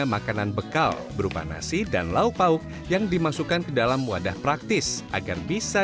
makanan bekal berupa nasi dan lauk pauk yang dimasukkan ke dalam wadah praktis agar bisa